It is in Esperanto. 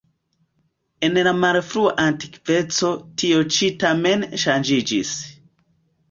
En la malfrua antikveco tio ĉi tamen ŝanĝiĝis.